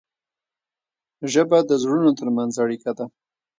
ژبه د زړونو ترمنځ اړیکه ده.